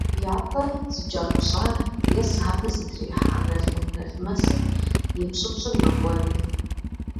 Ятӏэ зыкӏэрыпщӏа е сабэ зытрихьа налкъутналмэсым и пщӏыпщӏыр мэкӏуэд.